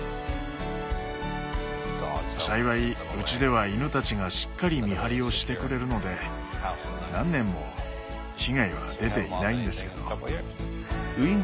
幸いうちでは犬たちがしっかり見張りをしてくれるので何年も被害は出ていないんですけど。